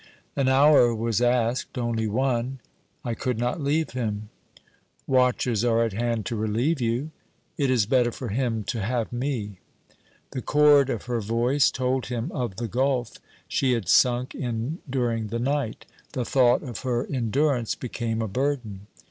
'An hour was asked, only one.' 'I could not leave him.' 'Watchers are at hand to relieve you' 'It is better for him to have me.' The chord of her voice told him of the gulf she had sunk in during the night. The thought of her endurance became a burden.